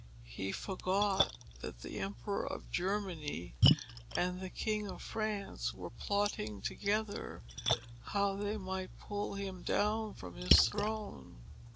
He forgot that the Emperor of Germany and the King of France were plotting together how they might pull him down from his throne.